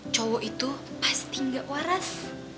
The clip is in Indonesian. cowok itu pasti gak waras